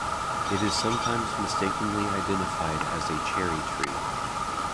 It is sometimes mistakenly identified as a cherry tree.